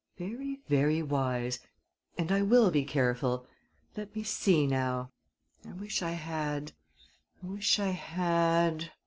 "Very, very wise, and I will be careful. Let me see now.... I wish I had ... I wish I had...."